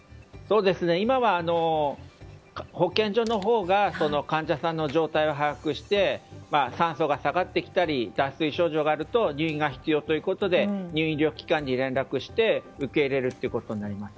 今は保健所のほうが患者さんの状態を把握して酸素が下がってきたり脱水症状があると入院が必要ということで入院医療機関に連絡して受け入れるということになります。